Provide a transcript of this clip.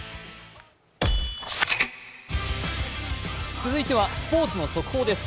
続いてはスポーツの速報です。